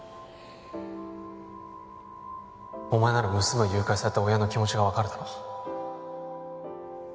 お前なら娘を誘拐された親の気持ちが分かるだろ？